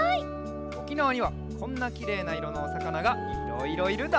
おきなわにはこんなきれいないろのおさかながいろいろいるんだ！